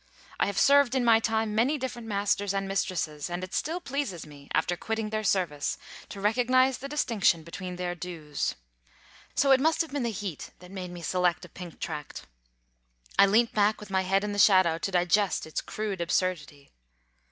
I have served in my time many different masters, and mistresses; and it still pleases me, after quitting their service, to recognise the distinction between their dues. So it must have been the heat that made me select a Pink Tract. I leant back with my head in the shadow to digest its crude absurdity.